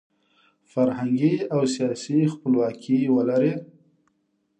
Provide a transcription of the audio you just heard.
فرهنګي او سیاسي خپلواکي ولري.